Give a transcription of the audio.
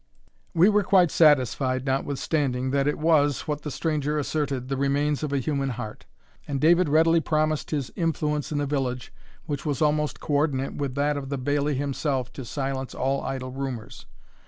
We were quite satisfied, notwithstanding, that it was, what the stranger asserted, the remains of a human heart; and David readily promised his influence in the village, which was almost co ordinate with that of the bailie himself, to silence all idle rumours.